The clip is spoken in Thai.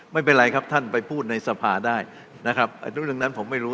ไม่เป็นไรครับท่านไปพูดในสภาได้นะครับเรื่องนั้นผมไม่รู้